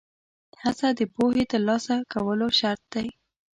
هڅه د پوهې ترلاسه کولو شرط دی.